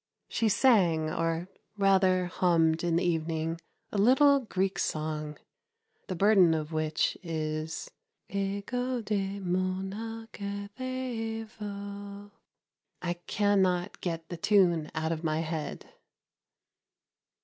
She sang, or rather hummed, in the evening a little Greek song, the burden of which is Ἐγὼ δὲ μόνα καθεύδω. I cannot get the tune out of my head.